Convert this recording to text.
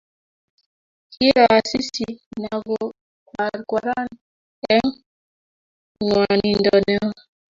Kiiro Asisi na ko kwarkwaran eng ngwonindo neo